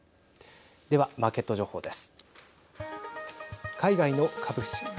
では、マーケット情報です。